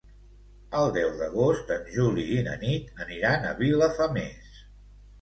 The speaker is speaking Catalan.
El deu d'agost en Juli i na Nit aniran a Vilafamés.